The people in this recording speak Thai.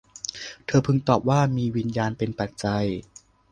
เธอพึงตอบว่า มีวิญญาณเป็นปัจจัย